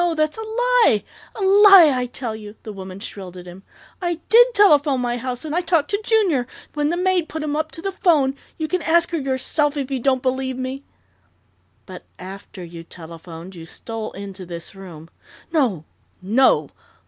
That's a lie a lie, I tell you!" the woman shrilled at him. "I did telephone my house, and I talked to Junior, when the maid put him up to the phone.... You can ask her yourself, if you don't believe me!" "But after you telephoned, you stole into this room " "No, no!